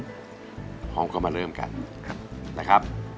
พร้อมก็มาเริ่มกันนะครับ